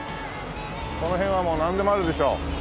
この辺はもうなんでもあるでしょう。